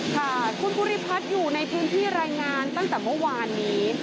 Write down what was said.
ค่ะคุณภูริพัฒน์อยู่ในพื้นที่รายงานตั้งแต่เมื่อวานนี้